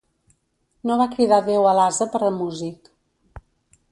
No va cridar Déu a l'ase per a músic.